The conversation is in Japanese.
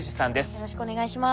よろしくお願いします。